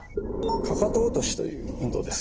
かかと落としという運動です。